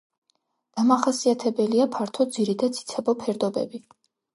დამახასიათებელია ფართო ძირი და ციცაბო ფერდობები.